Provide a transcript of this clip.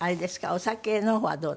お酒の方はどう？